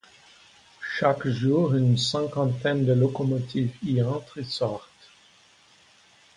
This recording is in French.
Chaque jour une cinquantaine de locomotives y entrent et sortent.